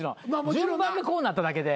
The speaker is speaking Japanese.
順番でこうなっただけで。